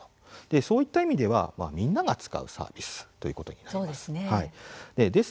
そういった意味ではみんなが使うサービスということになります。